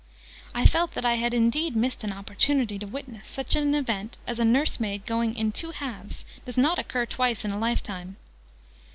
I felt that I had indeed missed an opportunity: to witness such an event as a nursemaid going 'in two halves' does not occur twice in a life time!